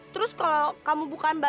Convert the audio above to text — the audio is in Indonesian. terus kalau kamu bukan baja nama asli lo apa